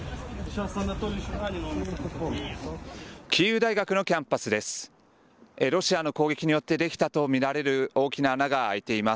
キーウ大学のキャンパスです。